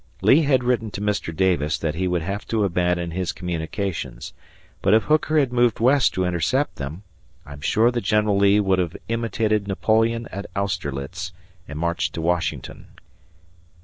Lee had written to Mr. Davis that he would have to abandon his communications; but if Hooker had moved west to intercept them, I am sure that General Lee would have imitated Napoleon at Austerlitz and marched to Washington.